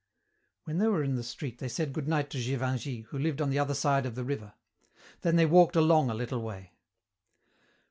When they were in the street they said good night to Gévingey, who lived on the other side of the river. Then they walked along a little way.